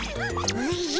おじゃ。